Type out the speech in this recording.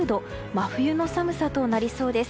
真冬の寒さとなりそうです。